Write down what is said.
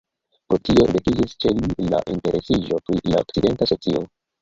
Pro tio vekiĝis ĉe li la interesiĝo pri la okcidenta socio.